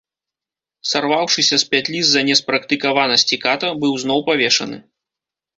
Сарваўшыся з пятлі з-за неспрактыкаванасці ката, быў зноў павешаны.